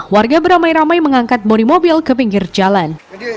warga beramai ramai mengangkat bodi mobil ke pinggir jalan